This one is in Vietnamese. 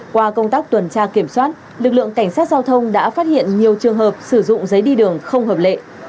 qua công tác tuần tra kiểm soát lực lượng cảnh sát giao thông đã phát hiện nhiều trường hợp sử dụng giấy đi đường không hợp lệ